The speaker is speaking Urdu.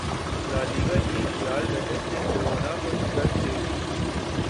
لالیگا لیگ رئیل بیٹس نے جیرونا کو شکست دیدی